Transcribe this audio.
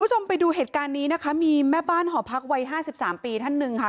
คุณผู้ชมไปดูเหตุการณ์นี้นะคะมีแม่บ้านหอพักวัยห้าสิบสามปีท่านหนึ่งค่ะ